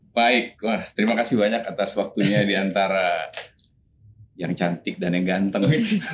baik wah terima kasih banyak atas waktunya diantara yang cantik dan yang ganteng